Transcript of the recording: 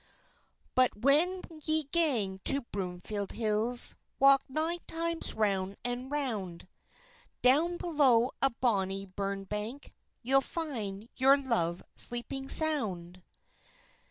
"But when ye gang to Broomfield Hills, Walk nine times round and round; Down below a bonny burn bank, Ye'll find your love sleeping sound.